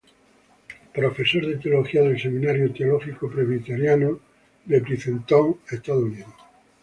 Profesor de Teología del Seminario Teológico Presbiteriano de Princeton, Nueva Jersey, Estados Unidos.